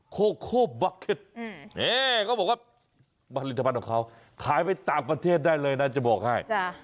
โคโคบะเก็ตเขาบอกว่าผลิตภัณฑ์ของเขาขายไปต่างประเทศได้เลยนะจะบอกให้